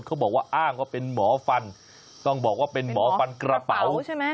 เขาบอกว่าอ้างว่าเป็นหมอฟันต้องบอกว่าเป็นหมอฟันกระเป๋าใช่ไหม